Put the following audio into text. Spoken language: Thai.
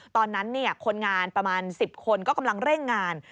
ตอนนั้นคนงานประมาณ๑๐คนก็กำลังเร่งงาน